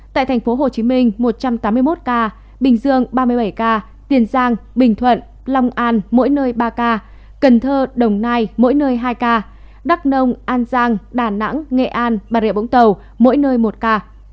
tại thành phố hồ chí minh một trăm tám mươi một ca bình dương ba mươi bảy ca tiền giang bình thuận lòng an mỗi nơi ba ca cần thơ đồng nai mỗi nơi hai ca đắk nông an giang đà nẵng nghệ an bà rịa bỗng tàu mỗi nơi một ca